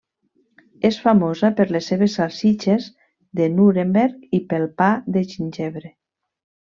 És famosa per les seves salsitxes de Nuremberg i pel pa de gingebre.